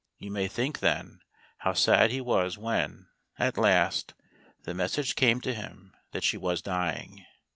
You may think, then, how sad he was when, at last, the message came to him that she was dying.